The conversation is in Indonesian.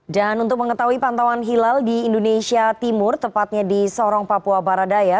dan untuk mengetahui pantauan hilal di indonesia timur tepatnya di sorong papua baradaya